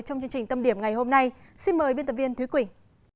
trong chương trình tâm điểm ngày hôm nay xin mời biên tập viên thúy quỳnh